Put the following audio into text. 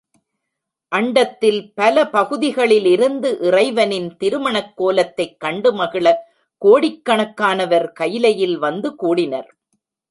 அண்டத்தின் பல பகுதிகளிலிருந்து இறைவனின் திரு மணக்கோலத்தைக் கண்டு மகிழக் கோடிக்கணக்கானவர் கயிலையில் வந்து கூடினர்.